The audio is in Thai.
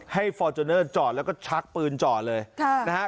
ฟอร์จูเนอร์จอดแล้วก็ชักปืนจ่อเลยนะฮะ